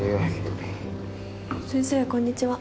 先生こんにちは。